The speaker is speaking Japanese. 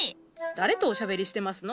誰とおしゃべりしてますの？